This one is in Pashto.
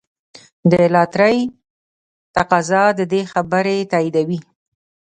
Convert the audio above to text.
د لاټرۍ تقاضا د دې خبرې تاییدوي.